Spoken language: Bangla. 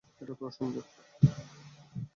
এটা তো অসম্ভব।